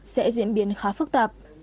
sẽ diễn biến khá phức tạp